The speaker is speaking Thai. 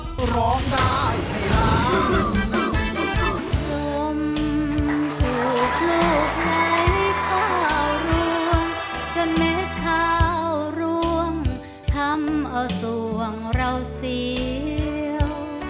ปุ่มปลูกลูกไม้ขาวรวงจนเม็ดขาวรวงทำเอาส่วงเราเสียว